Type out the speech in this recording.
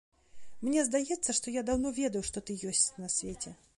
Мне здаецца, што я даўно ведаў, што ты ёсць на свеце.